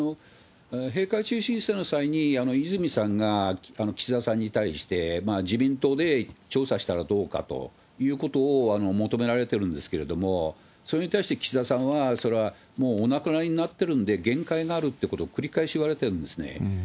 閉会中審査の際に、泉さんが岸田さんに対して、自民党で調査したらどうかということを求められてるんですけれども、それに対して岸田さんは、それはもうお亡くなりになってるんで、限界があるっていうことを繰り返し言われてるんですね。